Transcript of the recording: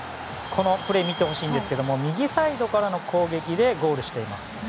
このプレー見てほしいんですけど右サイドからの攻撃でゴールしています。